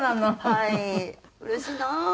うれしいな！